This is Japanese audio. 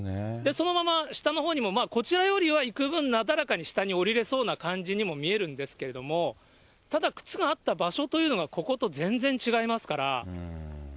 そのまま下の方にも、こちらよりはいくぶんなだらかに下に下りれそうな感じにも見えるんですけれども、ただ、靴があった場所というのがここと全然違いますから。